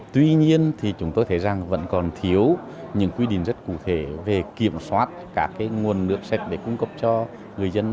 tuy nhiên thì chúng tôi thấy rằng vẫn còn thiếu những quy định rất cụ thể về kiểm soát các nguồn nước sạch để cung cấp cho người dân